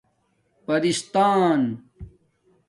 پرستان